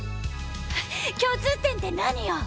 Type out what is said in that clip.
共通点って何よ。